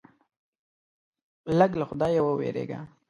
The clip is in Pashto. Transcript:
لږ له خدایه ووېرېږه.